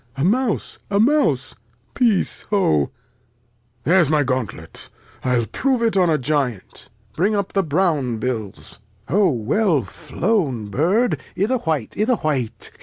A Mouse, a Mouse, peace, hoa! There's my Gauntlet ; I'll prove it on a Giant : Bring up the brown Bills : O weU flown Bird; i' th' White, i' th' White.